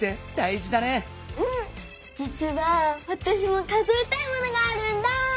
じつはわたしも数えたいものがあるんだ！